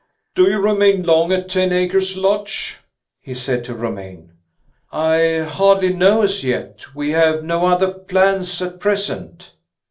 "Do you remain long at Ten Acres Lodge?" he said to Romayne. "I hardly know as yet. We have no other plans at present."